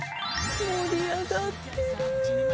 盛り上がってる。